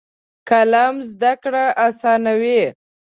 قلم زده کړه اسانوي.